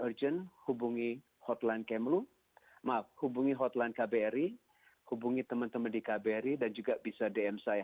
urgen hubungi hotline kbri hubungi teman teman di kbri dan juga bisa dm saya